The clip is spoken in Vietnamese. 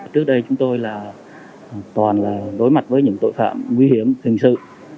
trước đây chúng tôi là toàn là đối mặt với những tội phạm nguy hiểm hình sự